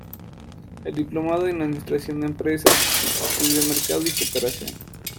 Es diplomado en Administración de Empresas, Estudios de Mercado y Cooperación.